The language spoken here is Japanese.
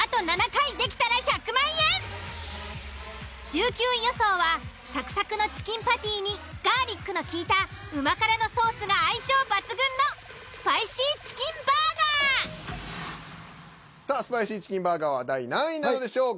１９位予想はサクサクのチキンパティにガーリックのきいたうま辛のソースが相性抜群のスパイシーチキンバーガー！さあスパイシーチキンバーガーは第何位なのでしょうか。